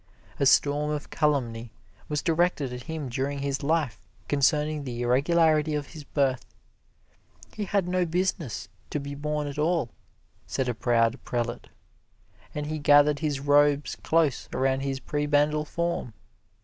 A storm of calumny was directed at him during his life concerning the irregularity of his birth. "He had no business to be born at all," said a proud prelate, as he gathered his robes close around his prebendal form.